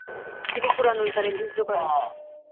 তিনি কুরআনুল কারিম হিফজ করেন।